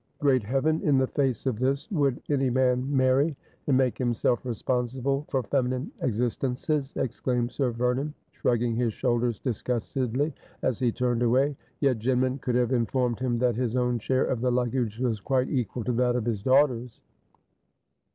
' Great Heaven, in the face of this would any man marry, and make himself responsible for feminine existences !' ex claimed fcir Vernon, shrugging his shoulders disgustedly as he turned away ; yet Jinman could have informed him that his own share of the luggage was quite equal to that of his daugh ters.